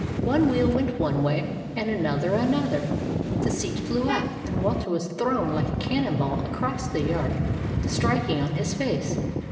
One wheel went one way, and another another, the seat flew up, and Walter was thrown like a cannon ball across the yard, striking on his face.